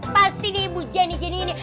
pasti nih bu jenny jenny ini